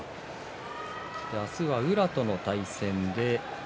明日は宇良との対戦。